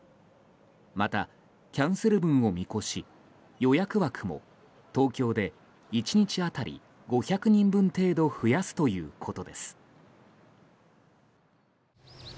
また、キャンセル分を見越し予約枠も東京で１日当たり５００人分程度増やすということです。